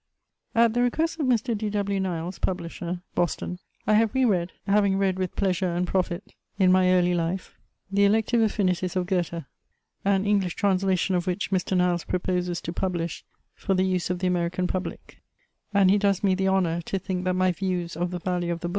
At the request of Mr. D. W. Niles, publisher, Boston, I have re read, having read with pleasure and profit in my early life, the " Elective AflSnities " of Goethe, an English translation of which Mr. Nilcs proposes to jjublish for the use of the American public ; and he does me the honor to think that my views of the value of the.